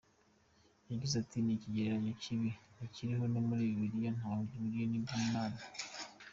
Yagize ati “Ni ikigereranyo kibi ntikiri no muri bibiliya ntaho gihuriye ni iby’Imana .